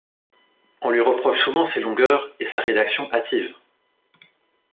On lui reproche souvent ses longueurs et sa rédaction hâtive.